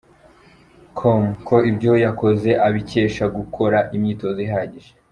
com ko ibyo yakoze abikesha gukora imyitozo ihagije.